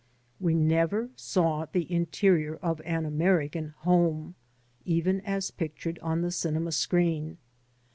We never saw the interior of an American home, even as pictured on the cinema screen.